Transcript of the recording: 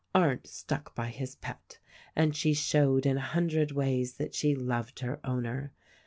Arndt stuck by his pet, and she showed in a hun dred ways that she loved her owner.